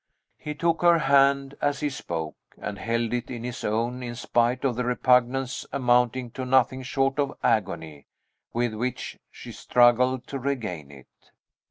He took her hand as he spoke, and held it in his own, in spite of the repugnance, amounting to nothing short of agony, with which she struggled to regain it.